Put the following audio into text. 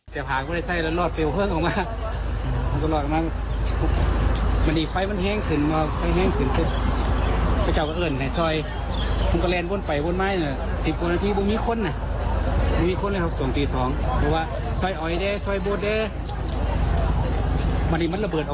สักพักมีคนเลยครับส่วนที่๒